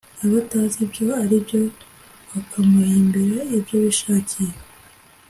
abatazi ibyo ari byo bakamuhimbira ibyo bishakiye